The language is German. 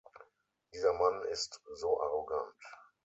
Dieser Mann ist so arrogant.